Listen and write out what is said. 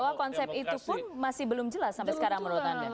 bahwa konsep itu pun masih belum jelas sampai sekarang menurut anda